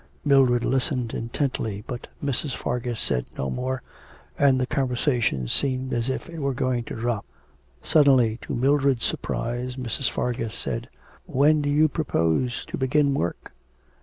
Mildred listened intently, but Mrs. Fargus said no more, and the conversation seemed as if it were going to drop. Suddenly, to Mildred's surprise, Mrs. Fargus said: 'When do you propose to begin work?'